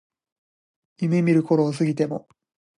夢見る頃を過ぎても